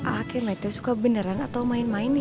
akhirnya dia suka beneran atau main main ya